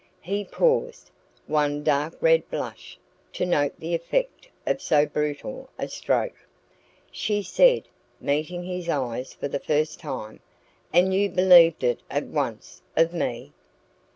He paused, one dark red blush, to note the effect of so brutal a stroke. She said, meeting his eyes for the first time: "And you believed it at once of ME?"